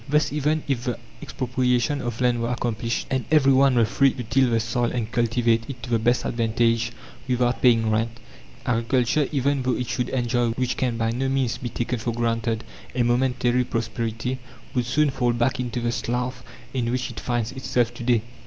Thus, even if the expropriation of land were accomplished, and every one were free to till the soil and cultivate it to the best advantage, without paying rent, agriculture, even though it should enjoy which can by no means be taken for granted a momentary prosperity, would soon fall back into the slough in which it finds itself to day.